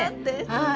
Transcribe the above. はい。